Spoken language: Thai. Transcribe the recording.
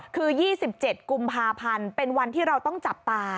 คือ๒๗กุมภาพันธ์เป็นวันที่เราต้องจับตา